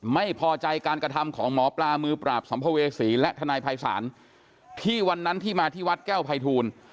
ไม่พอใจการกระทำของหมอปลามือปราบสัมภเวษีและทนายภัยศาลที่วันนั้นที่มาที่วัดแก้วภัยทูล